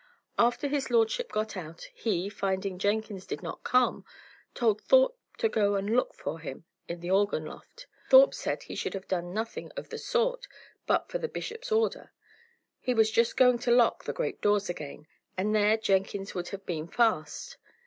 "After his lordship got out, he, finding Jenkins did not come, told Thorpe to go and look for him in the organ loft. Thorpe said he should have done nothing of the sort, but for the bishop's order; he was just going to lock the great doors again, and there Jenkins would have been fast!